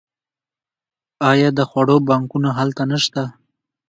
آیا د خوړو بانکونه هلته نشته؟